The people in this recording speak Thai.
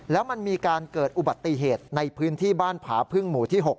แล้วมันมีการเกิดอุบัติเหตุในพื้นที่บ้านผาพึ่งหมู่ที่๖